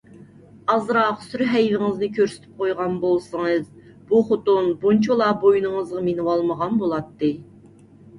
ئازراق سۈر-ھەيۋىڭىزنى كۆرسىتىپ قويغان بولسىڭىز، بۇ خوتۇن بۇنچىۋالا بوينىڭىزغا مىنىۋالمىغان بولاتتى.